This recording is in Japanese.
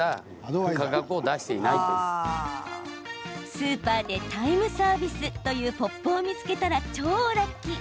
スーパーでタイムサービスというポップを見つけたら超ラッキー！